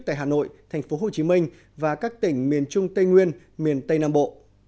tại hà nội tp hcm và các tỉnh miền trung tây nguyên miền tây nam bộ